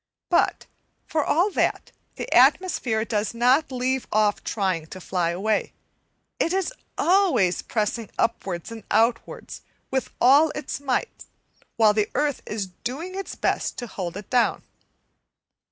But for all that, the atmosphere does not leave off trying to fly away; it is always pressing upwards and outwards with all its might, while the earth is doing its best to hold it down.